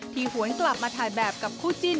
หวนกลับมาถ่ายแบบกับคู่จิ้น